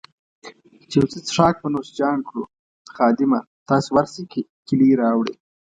یو څه څیښاک به نوش جان کړو، خادمه، تاسي ورشئ کیلۍ راوړئ.